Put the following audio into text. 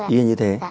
ý như thế